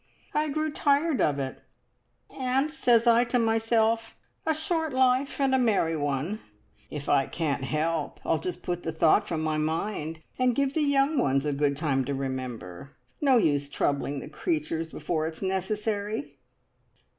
I grew tired of it, and says I to myself, `A short life, and a merry one!' If I can't help, I'll just put the thought from my mind, and give the young ones a good time to remember. No use troubling the creatures before it's necessary!"